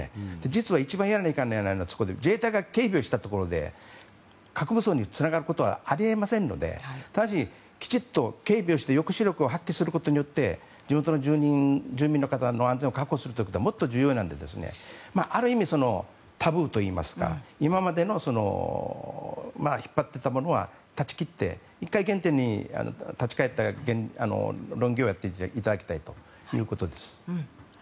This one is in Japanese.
実は一番やらなきゃいけないのはそこでして自衛隊が警備をしたところで核武装につながることはあり得ませんのできちっと警備をして抑止力を発揮することによって地元の住民の方の安全を確保することがもっと重要なので、ある意味タブーといいますか今までの引っ張っていたものは断ち切って１回原点に立ち返って、論議をやっていただきたいですね。